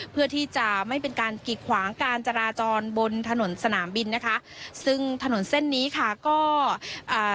เพื่อที่จะไม่เป็นการกิดขวางการจราจรบนถนนสนามบินนะคะซึ่งถนนเส้นนี้ค่ะก็อ่า